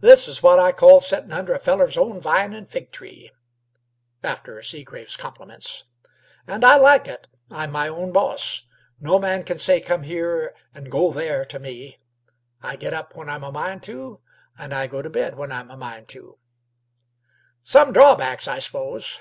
"This is what I call settin' under a feller's own vine an' fig tree" after Seagraves' compliments "an' I like it. I'm my own boss. No man can say 'come here' 'r 'go there' to me. I get up when I'm a min' to, an' go t' bed when I'm a min' to." "Some drawbacks, I s'pose?"